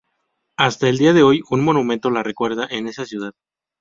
Hasta el día de hoy un monumento la recuerda en esa ciudad.